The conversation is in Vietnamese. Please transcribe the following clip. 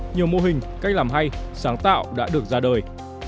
nhiều mô hình cách làm hay sáng tạo đã được ra đời